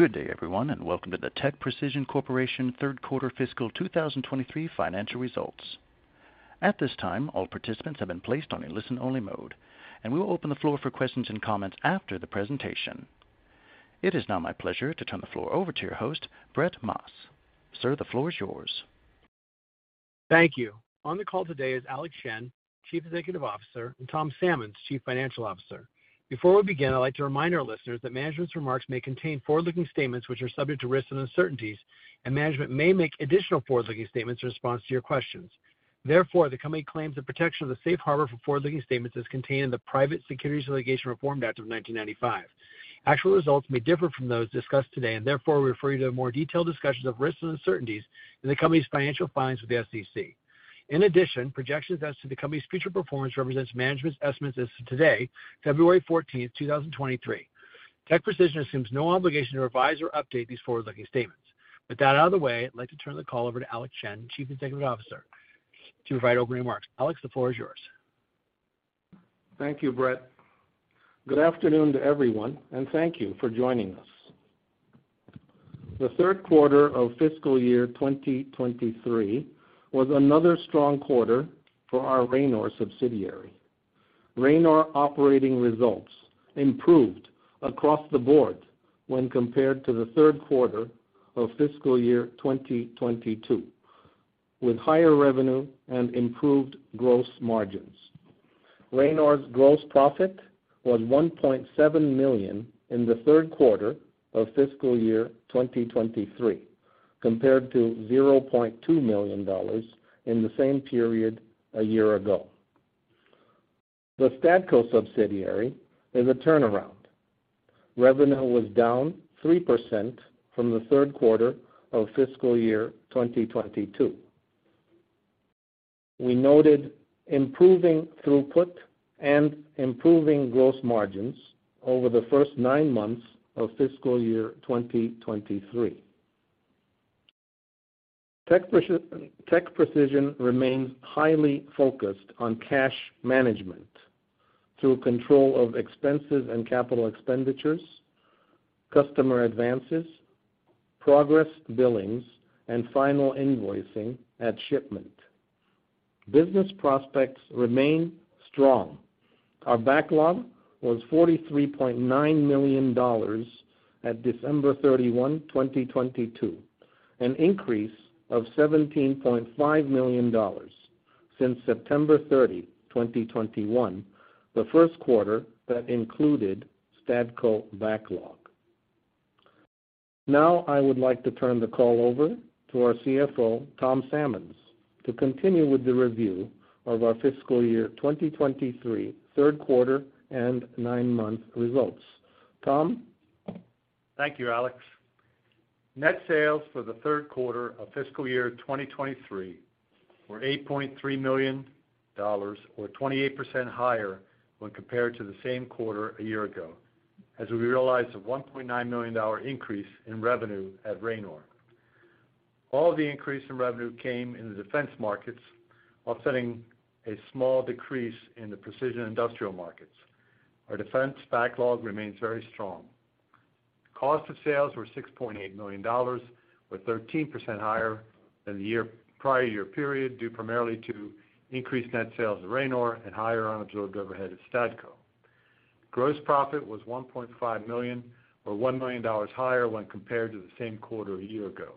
Good day, everyone, and welcome to the TechPrecision Corporation third quarter fiscal 2023 financial results. At this time, all participants have been placed on a listen-only mode, and we will open the floor for questions and comments after the presentation. It is now my pleasure to turn the floor over to your host, Brett Maas. Sir, the floor is yours. Thank you. On the call today is Alex Shen, Chief Executive Officer, and Tom Sammons, Chief Financial Officer. Before we begin, I'd like to remind our listeners that management's remarks may contain forward-looking statements which are subject to risks and uncertainties, and management may make additional forward-looking statements in response to your questions. Therefore, the company claims the protection of the safe harbor for forward-looking statements as contained in the Private Securities Litigation Reform Act of 1995. Actual results may differ from those discussed today, and therefore, we refer you to more detailed discussions of risks and uncertainties in the company's financial filings with the SEC. In addition, projections as to the company's future performance represents management's estimates as of today, February 14th, 2023. TechPrecision assumes no obligation to revise or update these forward-looking statements. With that out of the way, I'd like to turn the call over to Alex Shen, Chief Executive Officer, to provide opening remarks. Alex, the floor is yours. Thank you, Brett. Good afternoon to everyone, and thank you for joining us. The third quarter of fiscal year 2023 was another strong quarter for our Ranor subsidiary. Ranor operating results improved across the board when compared to the third quarter of fiscal year 2022, with higher revenue and improved gross margins. Ranor's gross profit was $1.7 million in the third quarter of fiscal year 2023, compared to $0.2 million in the same period a year ago. The Stadco subsidiary is a turnaround. Revenue was down 3% from the third quarter of fiscal year 2022. We noted improving throughput and improving gross margins over the first nine months of fiscal year 2023. TechPrecision remains highly focused on cash management through control of expenses and capital expenditures, customer advances, progress billings, and final invoicing at shipment. Business prospects remain strong. Our backlog was $43.9 million at December 31, 2022, an increase of $17.5 million since September 30, 2021, the Q1 that included Stadco backlog. I would like to turn the call over to our CFO, Tom Sammons, to continue with the review of our fiscal year 2023, third quarter and nine-month results. Tom? Thank you, Alex. Net sales for the third quarter of fiscal year 2023 were $8.3 million or 28% higher when compared to the same quarter a year ago, as we realized a $1.9 million increase in revenue at Ranor. All of the increase in revenue came in the defense markets, offsetting a small decrease in the precision industrial markets. Our defense backlog remains very strong. Cost of sales were $6.8 million, or 13% higher than the year, prior year period, due primarily to increased net sales at Ranor and higher unabsorbed overhead at Stadco. Gross profit was $1.5 million or $1 million higher when compared to the same quarter a year ago.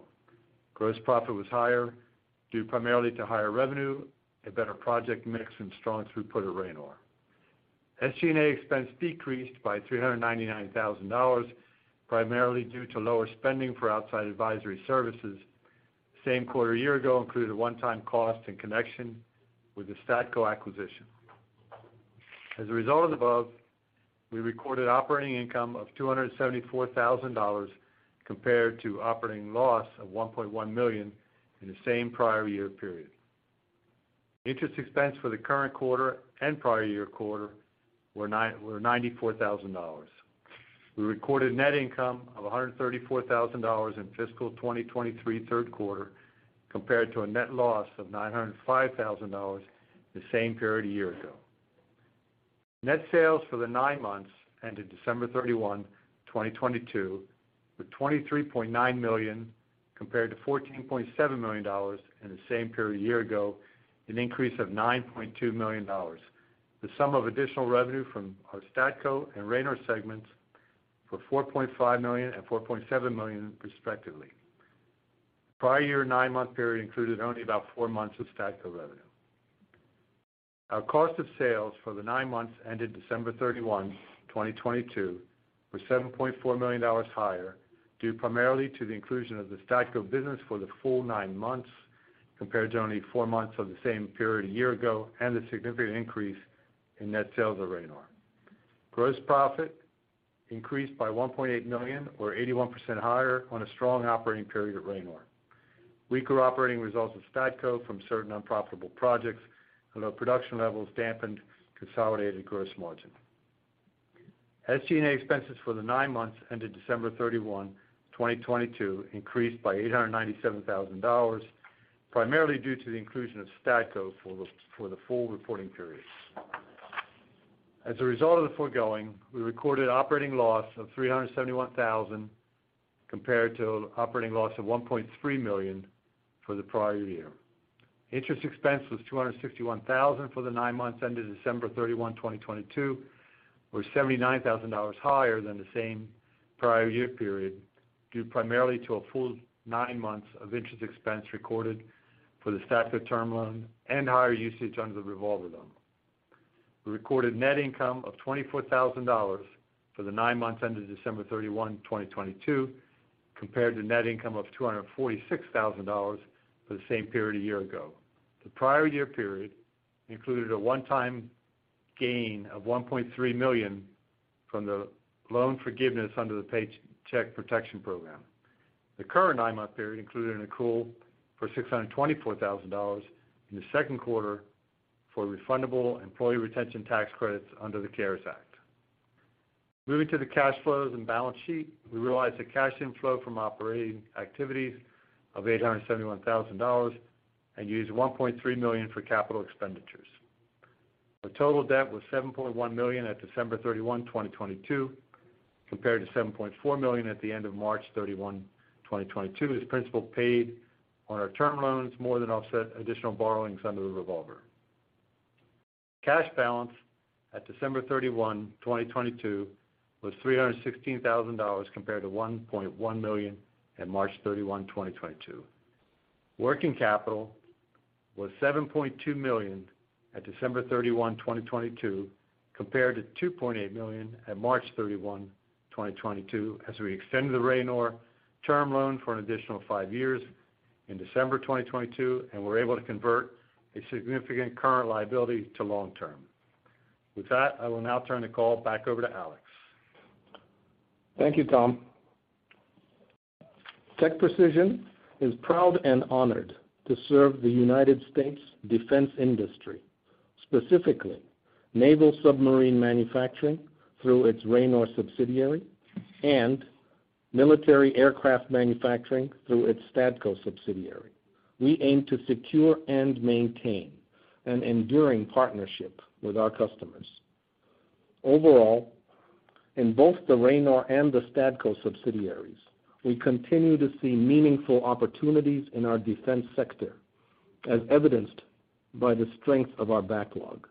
Gross profit was higher, due primarily to higher revenue, a better project mix and strong throughput at Ranor. SG&A expense decreased by $399,000, primarily due to lower spending for outside advisory services. Same quarter a year ago included a one-time cost in connection with the Stadco acquisition. As a result of the above, we recorded operating income of $274,000 compared to operating loss of $1.1 million in the same prior year period. Interest expense for the current quarter and prior year quarter were $94,000. We recorded net income of $134,000 in fiscal 2023 third quarter, compared to a net loss of $905,000 the same period a year ago. Net sales for the 9 months ended December 31, 2022, were $23.9 million, compared to $14.7 million in the same period a year ago, an increase of $9.2 million. The sum of additional revenue from our Stadco and Ranor segments for $4.5 million and $4.7 million respectively. Prior year 9-month period included only about 4 months of Stadco revenue. Our cost of sales for the 9 months ended December 31, 2022, were $7.4 million higher, due primarily to the inclusion of the Stadco business for the full 9 months, compared to only 4 months of the same period a year ago, and the significant increase in net sales at Ranor. Gross profit increased by $1.8 million or 81% higher on a strong operating period at Ranor. Weaker operating results at Stadco from certain unprofitable projects and low production levels dampened consolidated gross margin. SG&A expenses for the 9 months ended December 31, 2022, increased by $897,000, primarily due to the inclusion of Stadco for the full reporting period. As a result of the foregoing, we recorded operating loss of $371,000 compared to operating loss of $1.3 million for the prior year. Interest expense was $261,000 for the 9 months ended December 31, 2022, or $79,000 higher than the same prior year period, due primarily to a full 9 months of interest expense recorded for the Stadco term loan and higher usage under the revolver loan. We recorded net income of $24,000 for the nine months ended December 31, 2022, compared to net income of $246,000 for the same period a year ago. The prior year period included a one-time gain of $1.3 million from the loan forgiveness under the Paycheck Protection Program. The current nine-month period included an accrual for $624,000 in the Q2 for refundable employee retention tax credits under the CARES Act. Moving to the cash flows and balance sheet, we realized a cash inflow from operating activities of $871,000 and used $1.3 million for capital expenditures. Our total debt was $7.1 million at December 31, 2022, compared to $7.4 million at the end of March 31, 2022, as principal paid on our term loans more than offset additional borrowings under the revolver. Cash balance at December 31, 2022 was $316,000 compared to $1.1 million at March 31, 2022. Working capital was $7.2 million at December 31, 2022, compared to $2.8 million at March 31, 2022, as we extended the Ranor term loan for an additional five years in December 2022 and were able to convert a significant current liability to long term. With that, I will now turn the call back over to Alex. Thank you, Tom. TechPrecision is proud and honored to serve the United States defense industry, specifically naval submarine manufacturing through its Ranor subsidiary and military aircraft manufacturing through its Stadco subsidiary. We aim to secure and maintain an enduring partnership with our customers. Overall, in both the Ranor and the Stadco subsidiaries, we continue to see meaningful opportunities in our defense sector, as evidenced by the strength of our backlog.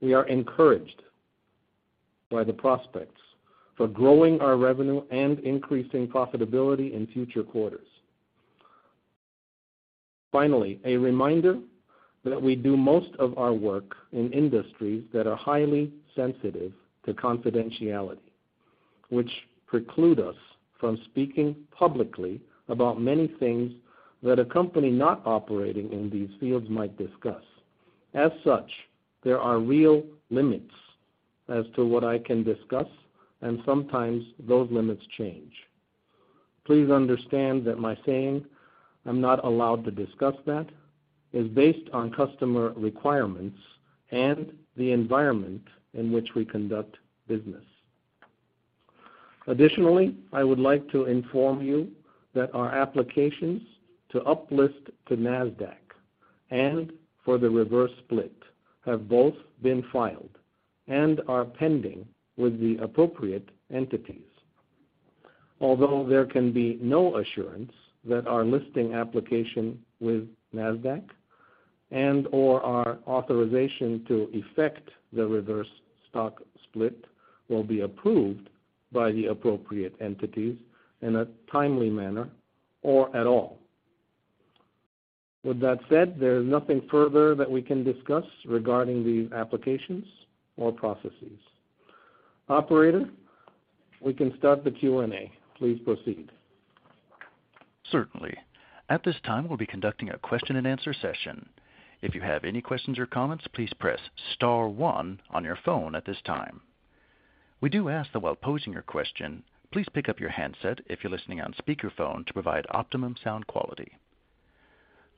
We are encouraged by the prospects for growing our revenue and increasing profitability in future quarters. Finally, a reminder that we do most of our work in industries that are highly sensitive to confidentiality, which preclude us from speaking publicly about many things that a company not operating in these fields might discuss. As such, there are real limits as to what I can discuss, and sometimes those limits change. Please understand that my saying, "I'm not allowed to discuss that," is based on customer requirements and the environment in which we conduct business. I would like to inform you that our applications to up-list to Nasdaq and for the reverse split have both been filed and are pending with the appropriate entities. There can be no assurance that our listing application with Nasdaq and/or our authorization to effect the reverse stock split will be approved by the appropriate entities in a timely manner or at all. With that said, there is nothing further that we can discuss regarding these applications or processes. Operator, we can start the Q&A. Please proceed. Certainly. At this time, we'll be conducting a question and answer session. If you have any questions or comments, please press star one on your phone at this time. We do ask that while posing your question, please pick up your handset if you're listening on speakerphone to provide optimum sound quality.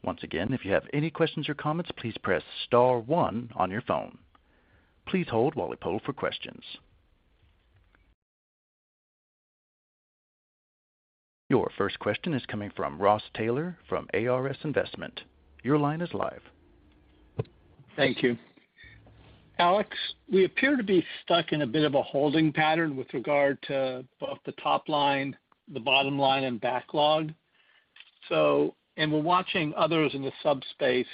Once again, if you have any questions or comments, please press star one on your phone. Please hold while we poll for questions. Your first question is coming from Ross Taylor from ARS Investment. Your line is live. Thank you. Alex, we appear to be stuck in a bit of a holding pattern with regard to both the top line, the bottom line and backlog. We're watching others in the sub-space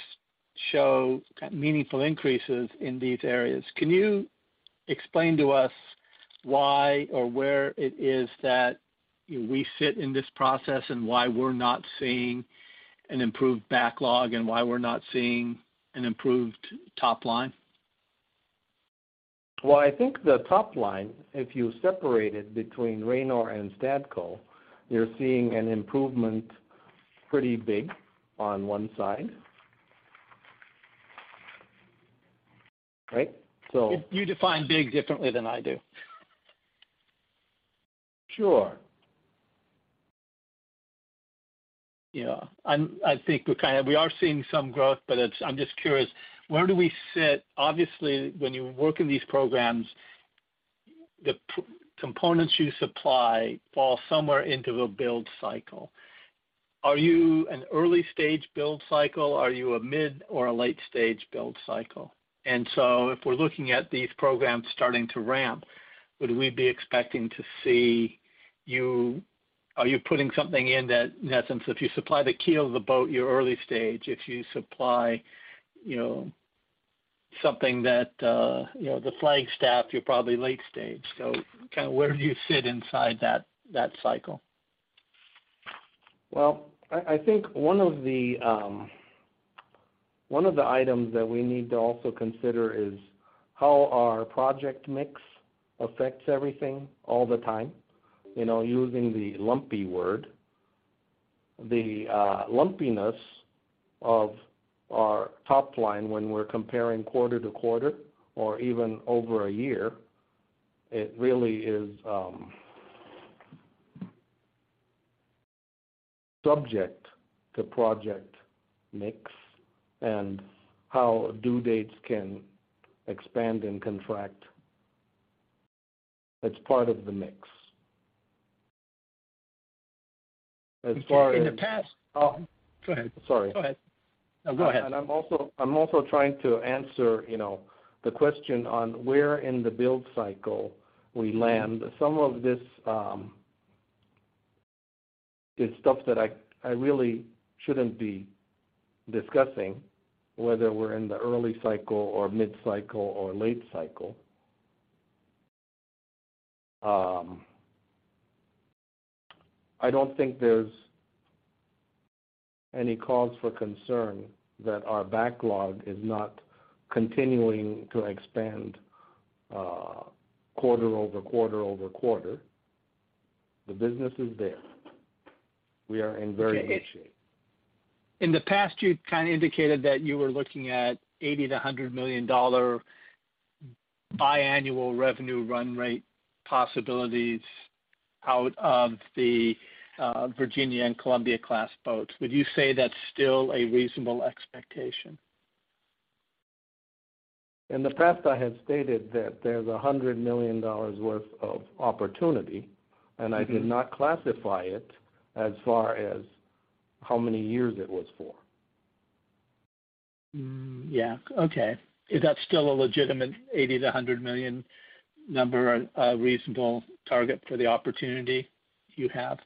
show kind of meaningful increases in these areas. Can you explain to us why or where it is that we sit in this process and why we're not seeing an improved backlog, and why we're not seeing an improved top line? I think the top line, if you separate it between Ranor and Stadco, you're seeing an improvement pretty big on one side. Right? You define big differently than I do. Sure. Yeah. I think we're kinda We are seeing some growth, but it's I'm just curious, where do we sit? Obviously, when you work in these programs. The components you supply fall somewhere into a build cycle. Are you an early-stage build cycle? Are you a mid or a late-stage build cycle? If we're looking at these programs starting to ramp, would we be expecting to see you? Are you putting something in that, in essence, if you supply the keel of the boat, you're early stage, if you supply, you know, something that, you know, the flag staff, you're probably late stage. Kinda where do you fit inside that cycle? Well, I think one of the items that we need to also consider is how our project mix affects everything all the time. You know, using the lumpy word. The lumpiness of our top line when we're comparing quarter to quarter or even over a year, it really is subject to project mix and how due dates can expand and contract. It's part of the mix. In the past- Oh. Go ahead. Sorry. Go ahead. No, go ahead. I'm also trying to answer, you know, the question on where in the build cycle we land. Some of this is stuff that I really shouldn't be discussing, whether we're in the early cycle or mid cycle or late cycle. I don't think there's any cause for concern that our backlog is not continuing to expand quarter-over-quarter over quarter. The business is there. We are in very good shape. In the past, you kinda indicated that you were looking at $80 million-$100 million biannual revenue run rate possibilities out of the Virginia and Columbia class boats. Would you say that's still a reasonable expectation? In the past, I have stated that there's $100 million worth of opportunity. I did not classify it as far as how many years it was for. Yeah. Okay. Is that still a legitimate $80 million-$100 million number, a reasonable target for the opportunity you have?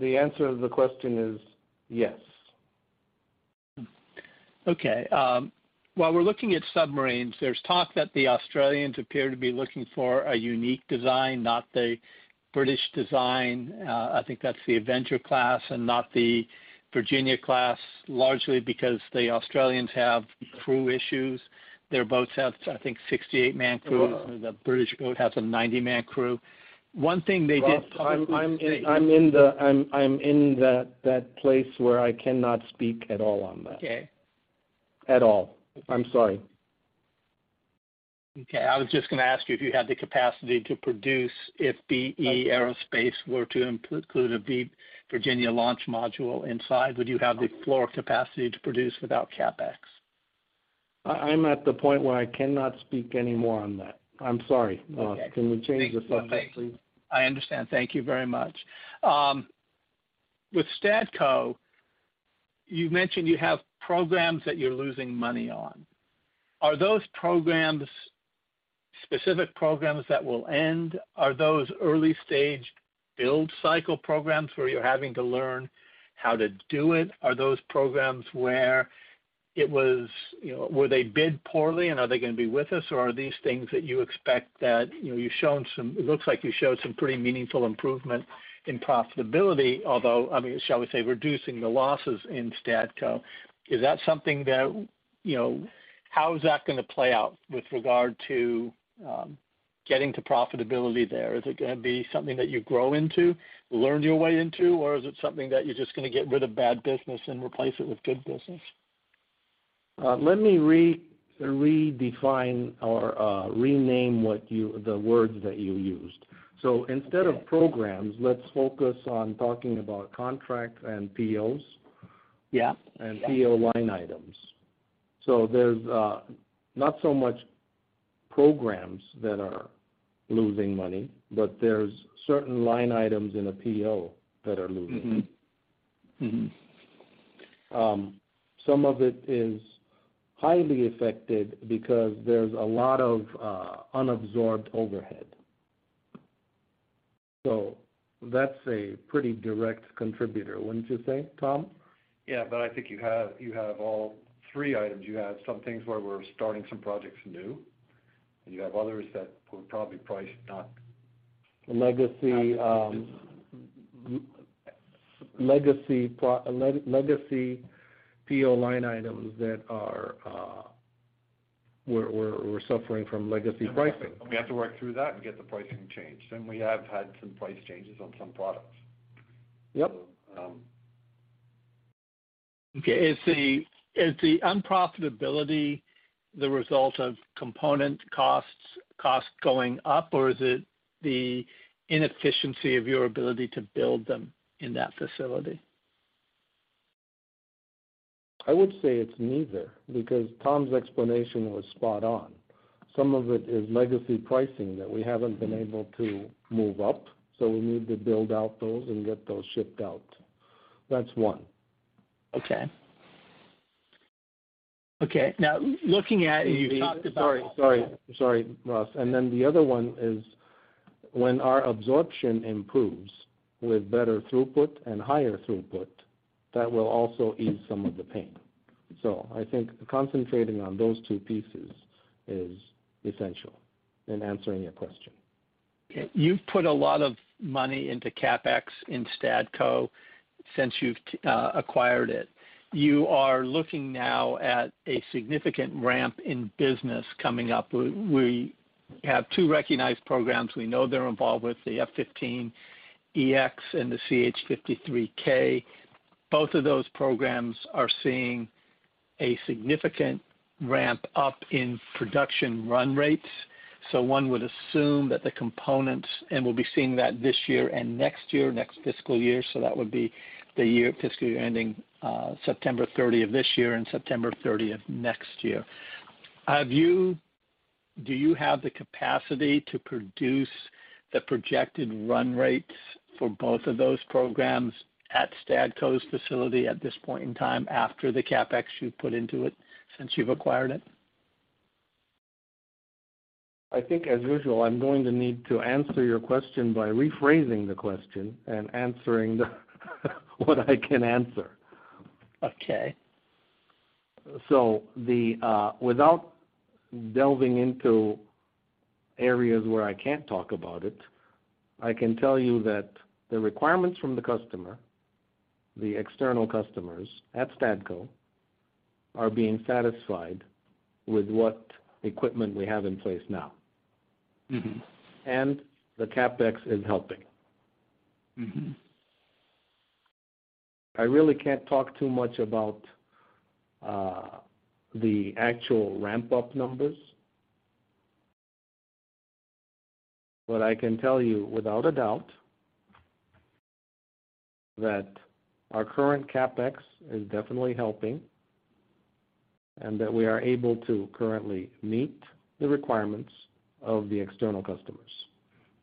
The answer to the question is yes. While we're looking at submarines, there's talk that the Australians appear to be looking for a unique design, not the British design, I think that's the Seawolf class and not the Virginia class, largely because the Australians have crew issues. Their boats have, I think, 68-man crew. The British boat has a 90-man crew. One thing they did publicly state- Well, I'm in that place where I cannot speak at all on that. Okay. At all. I'm sorry. Okay. I was just gonna ask you if you had the capacity to produce, if BAE Systems were to include a Virginia Payload Module inside, would you have the floor capacity to produce without CapEx? I'm at the point where I cannot speak any more on that. I'm sorry. Okay. Can we change the subject, please? I understand. Thank you very much. With Stadco, you've mentioned you have programs that you're losing money on. Are those programs specific programs that will end? Are those early-stage build cycle programs where you're having to learn how to do it? Are those programs where it was, you know, were they bid poorly, and are they gonna be with us, or are these things that you expect that, you know, you've shown some It looks like you showed some pretty meaningful improvement in profitability, although, I mean, shall we say, reducing the losses in Stadco. Is that something that, you know, how is that gonna play out with regard to, getting to profitability there? Is it gonna be something that you grow into, learn your way into, or is it something that you're just gonna get rid of bad business and replace it with good business? Let me redefine or rename what the words that you used. Okay. Instead of programs, let's focus on talking about contracts and POs. Yeah. PO line items. There's not so much programs that are losing money, but there's certain line items in a PO that are losing money. Mm-hmm. Mm-hmm. Some of it is highly affected because there's a lot of unabsorbed overhead. That's a pretty direct contributor, wouldn't you say, Tom? Yeah. I think you have all three items. You have some things where we're starting some projects new, and you have others that we're probably should not. Legacy PO line items that are, we're suffering from legacy pricing. We have to work through that and get the pricing changed, and we have had some price changes on some products. Yep. So, um- Okay. Is the unprofitability the result of component costs going up, or is it the inefficiency of your ability to build them in that facility? I would say it's neither, because Tom's explanation was spot on. Some of it is legacy pricing that we haven't been able to move up, so we need to build out those and get those shipped out. That's one. Okay. Okay, now looking at it, you talked. Sorry, Ross. The other one is when our absorption improves with better throughput and higher throughput, that will also ease some of the pain. I think concentrating on those two pieces is essential in answering your question. Okay. You've put a lot of money into CapEx in Stadco since you've acquired it. You are looking now at a significant ramp in business coming up. We have two recognized programs. We know they're involved with the F-15EX and the CH-53K. Both of those programs are seeing a significant ramp up in production run rates. One would assume that the components. We'll be seeing that this year and next year, next fiscal year, so that would be the fiscal year ending September 30 of this year and September 30 of next year. Do you have the capacity to produce the projected run rates for both of those programs at Stadco's facility at this point in time after the CapEx you've put into it since you've acquired it? I think, as usual, I'm going to need to answer your question by rephrasing the question and answering the what I can answer. Okay. The, without delving into areas where I can't talk about it, I can tell you that the requirements from the customer, the external customers at Stadco, are being satisfied with what equipment we have in place now. Mm-hmm. The CapEx is helping. Mm-hmm. I really can't talk too much about, the actual ramp-up numbers. I can tell you without a doubt that our current CapEx is definitely helping and that we are able to currently meet the requirements of the external customers,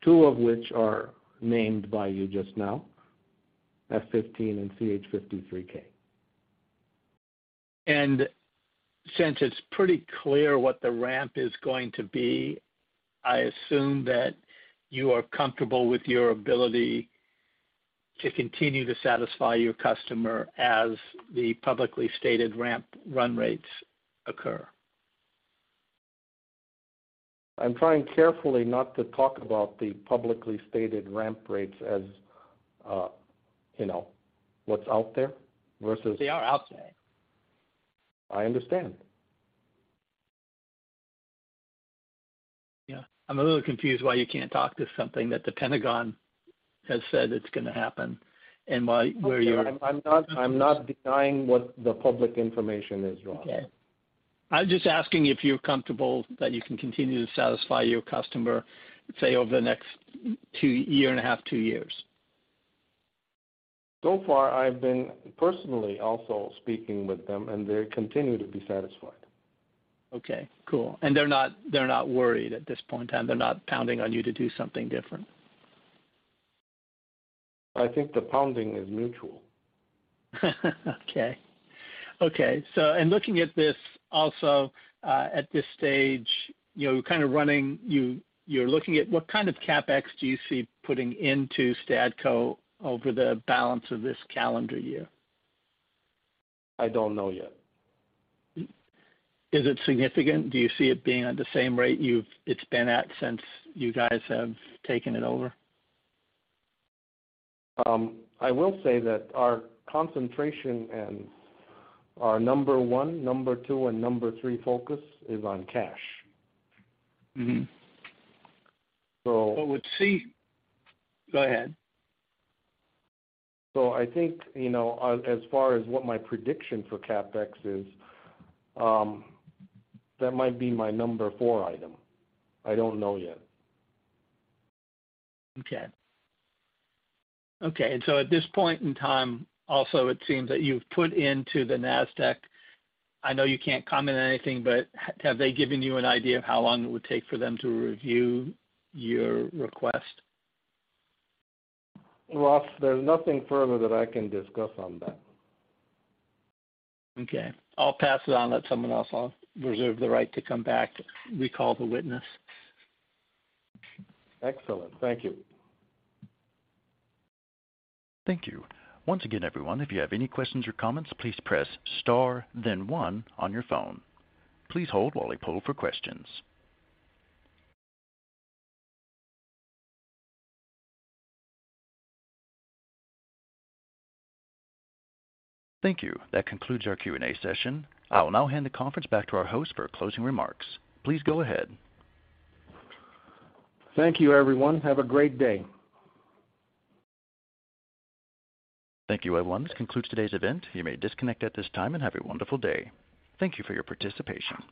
two of which are named by you just now, F-15 and CH-53K. Since it's pretty clear what the ramp is going to be, I assume that you are comfortable with your ability to continue to satisfy your customer as the publicly stated ramp run rates occur. I'm trying carefully not to talk about the publicly stated ramp rates as, you know, what's out there versus- They are out there. I understand. Yeah. I'm a little confused why you can't talk to something that the Pentagon has said it's gonna happen and where you're- I'm sorry. I'm not denying what the public information is, Ross. Okay. I'm just asking if you're comfortable that you can continue to satisfy your customer, say, over the next year and a half, two years? Far, I've been personally also speaking with them, and they continue to be satisfied. Okay, cool. They're not worried at this point in time. They're not pounding on you to do something different. I think the pounding is mutual. Okay. Okay. Looking at this also, at this stage, you know, kind of running, you're looking at what kind of CapEx do you see putting into Stadco over the balance of this calendar year? I don't know yet. Is it significant? Do you see it being at the same rate it's been at since you guys have taken it over? I will say that our concentration and our number one, number two, and number three focus is on cash. Mm-hmm. So- Go ahead. I think, you know, as far as what my prediction for CapEx is, that might be my number 4 item. I don't know yet. Okay. Okay. At this point in time, also, it seems that you've put into the Nasdaq. I know you can't comment on anything, but have they given you an idea of how long it would take for them to review your request? Ross, there's nothing further that I can discuss on that. Okay. I'll pass it on to someone else. I'll reserve the right to come back, recall the witness. Excellent. Thank you. Thank you. Once again, everyone, if you have any questions or comments, please press star then one on your phone. Please hold while we poll for questions. Thank you. That concludes our Q&A session. I will now hand the conference back to our host for closing remarks. Please go ahead. Thank you, everyone. Have a great day. Thank you, everyone. This concludes today's event. You may disconnect at this time, and have a wonderful day. Thank you for your participation.